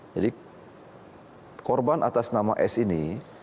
jadi korban atas nama s ini